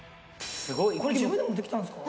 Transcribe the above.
これ自分で持ってきたんですか？